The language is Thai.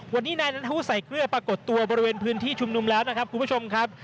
วันนี้นายนัทธวุใส่เกลือปรากฏตัวบริเวณพื้นที่ชุมนุมแล้วนะครับคุณผู้ชมครับ